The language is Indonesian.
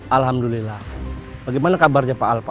alhamdulillah bagaimana kabarnya pak aldi baran